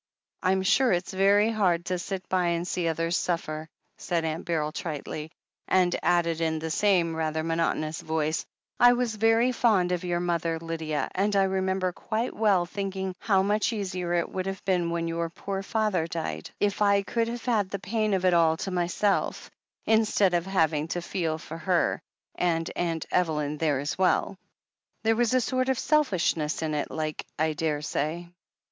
"Fm sure it's very hard to sit by and see others suffer," said Aimt Beryl tritely, and added in the same rather monotonous voice, "I was very fond of your mother, Lydia, and I remember quite well thinking how much easier it would have been when your poor father died if I could have had the pain of it all to myself, instead of having to feel for her, and Aimt Evelyn there, as well. There was a sort of selfishness in it, like,. I daresay."